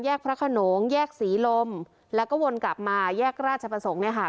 พระขนงแยกศรีลมแล้วก็วนกลับมาแยกราชประสงค์เนี่ยค่ะ